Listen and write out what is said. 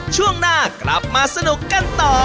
ช่วงหน้ากลับมาสนุกกันต่อ